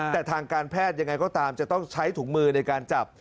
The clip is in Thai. แต่ทางการแพทย์ยังไงก็ตามจะต้องใช้ถุงมือในการจับ